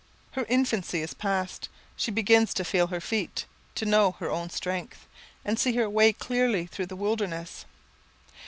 Her infancy is past, she begins to feel her feet, to know her own strength, and see her way clearly through the wilderness.